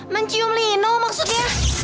mencium lino maksudnya